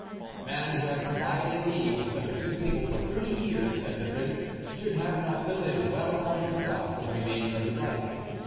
"A man who has provided me with such a good table for thirty years," said the Prince, " should have enough to live well upon himself for the remainder of lis life."